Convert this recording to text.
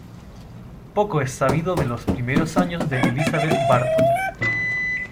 Poco es sabido de los primeros años de Elizabeth Barton.